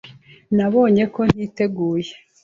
Nabonye ko ntiteguye.